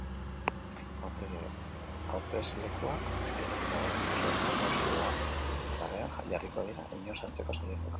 Hauteslekuak irekita dauden kasuetan, mossoak sarreran jarriko dira, inor sartzea saihesteko.